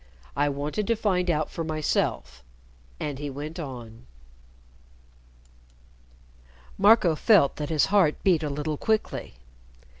I wanted to find out for myself." And he went on. Marco felt that his heart beat a little quickly.